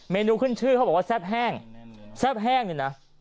นูขึ้นชื่อเขาบอกว่าแซ่บแห้งแซ่บแห้งเนี่ยนะ